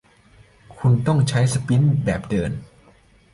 คุณต้องใช้สปีดแบบเดิน